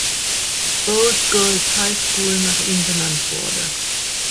Bose Girl's High School nach ihm benannt wurde.